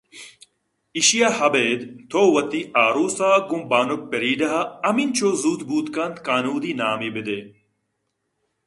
ایشیءَ ابید تو وتی آروس ءَ گوں بانک فریڈا ءَ ہمنچو زوت بوت کنت قانودی نامے بہ دئے